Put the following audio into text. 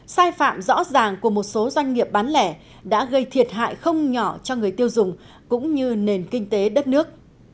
sai phạm rõ ràng của một số doanh nghiệp bán lẻ đã gây thiệt hại không nhỏ cho người tiêu dùng cũng như nền kinh tế đất nước